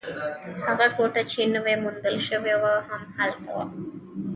هغه کوټه چې نوې موندل شوې وه، هم هلته وه.